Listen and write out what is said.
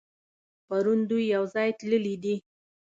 پرون دوی يوځای تللي دي.